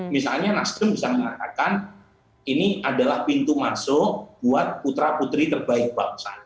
misalnya nasdem bisa mengatakan ini adalah pintu masuk buat putra putri terbaik bangsa